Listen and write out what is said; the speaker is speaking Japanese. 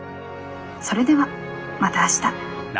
「それではまた明日」。